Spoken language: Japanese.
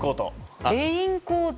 レインコート。